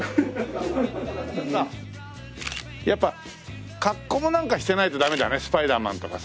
やっぱ格好もなんかしてないとダメだねスパイダーマンとかさ。